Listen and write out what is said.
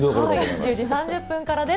１０時３０分からです。